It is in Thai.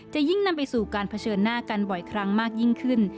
จะยิ่งนำไปสู่การเผชิญหน้ากันบ่อยครั้งมากยิ่งขึ้น